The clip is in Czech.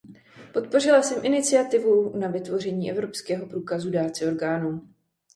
Podpořila jsem iniciativu na vytvoření evropského průkazu dárce orgánů.